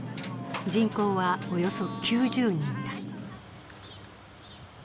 人口は、およそ９０人だ。